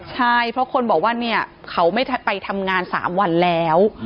ใช่เพราะคนบอกว่าเนี่ยเขาไม่ไปทำงาน๓วันแล้ว